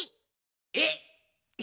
えっ！？